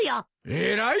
偉い！